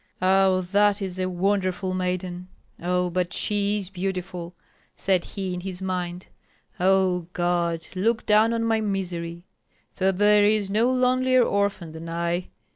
"Ah, that is a wonderful maiden! Ah, but she is beautiful!" said he, in his mind. "O God, look down on my misery, for there is no lonelier orphan than I.